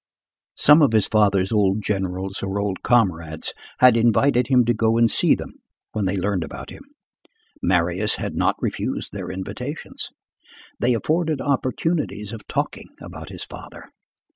Some of his father's old generals or old comrades had invited him to go and see them, when they learned about him. Marius had not refused their invitations. They afforded opportunities of talking about his father.